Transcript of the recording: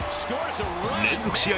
連続試合